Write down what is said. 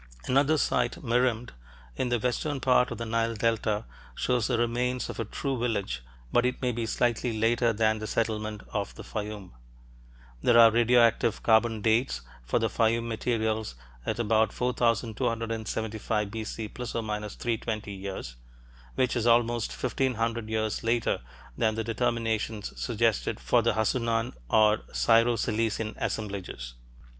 Another site, Merimde, in the western part of the Nile delta, shows the remains of a true village, but it may be slightly later than the settlement of the Fayum. There are radioactive carbon "dates" for the Fayum materials at about 4275 B.C. ± 320 years, which is almost fifteen hundred years later than the determinations suggested for the Hassunan or Syro Cilician assemblages.